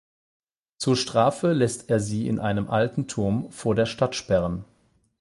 Zur Strafe lässt er sie in einen alten Turm vor der Stadt sperren.